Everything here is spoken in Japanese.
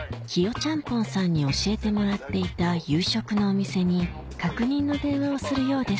ちゃんぽんさんに教えてもらっていた夕食のお店に確認の電話をするようです